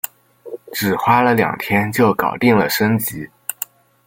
只花了两天就搞定了升级